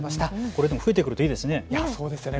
これ、増えてくるといいですね。